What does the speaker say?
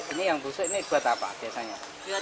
ini yang busuk ini buat apa biasanya